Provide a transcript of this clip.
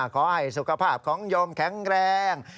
ขอให้สุขภาพของโยมแข็งแรง